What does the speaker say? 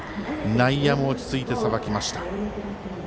内野も落ち着いてさばきました。